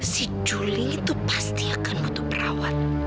si juli itu pasti akan butuh perawat